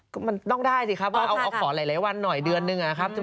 ก็มันต้องได้สิครับว่าเอาขอหลายวันหน่อยเดือนหนึ่งนะครับ